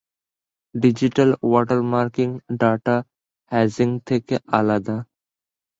Digital watermarking data hashing থেকে আলাদা।